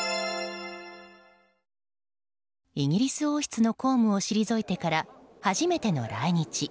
イギリス王室の公務を退いてから初めての来日。